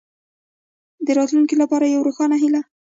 د راتلونکې لپاره یوه روښانه هیله.